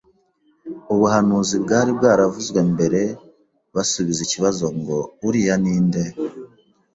ubuhanuzi bwari bwaravuzwe mbere basubiza ikibazo ngo: «Uriya ninde?